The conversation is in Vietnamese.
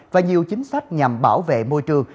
và nhiều chính sách nhằm bảo vệ môi trường